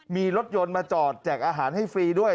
มีรถยนต์มาจอดแจกอาหารให้ฟรีด้วย